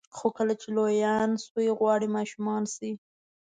خو کله چې لویان شوئ غواړئ ماشومان شئ.